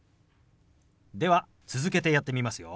では続けてやってみますよ。